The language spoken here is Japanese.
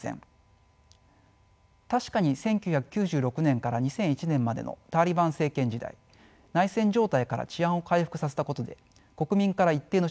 確かに１９９６年から２００１年までのタリバン政権時代内戦状態から治安を回復させたことで国民から一定の支持を得ました。